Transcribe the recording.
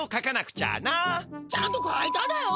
ちゃんと書いただよ。